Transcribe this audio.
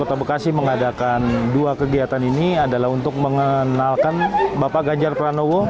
kota bekasi mengadakan dua kegiatan ini adalah untuk mengenalkan bapak ganjar pranowo